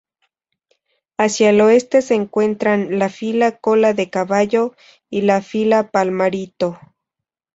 Hacia el Oeste se encuentran la fila Cola de Caballo y la fila Palmarito.